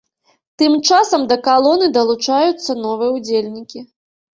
Тым часам да калоны далучаюцца новыя ўдзельнікі.